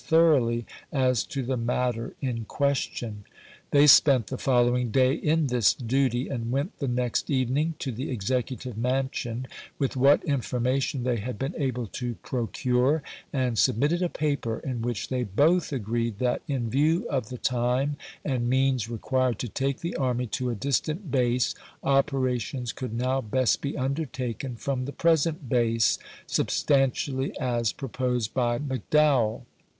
thoroughly as to the matter in question. They spent the following day in this duty, and went the next evening to the Executive Mansion with what information they had been able to procure, and submitted a paper in which they both agreed that, in view of the time and means required to take the army to a distant base, operations conld now best be undertaken from the present base, substantially as proposed by McDowell.